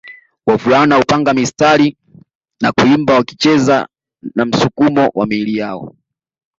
Wavulana hupanga msitari na kuimba wakicheza na msukumo wa miili yao